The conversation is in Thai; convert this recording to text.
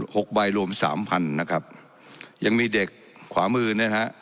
หกใบรวมสามพันนะครับยังมีเด็กขวามือเนี่ยนะฮะ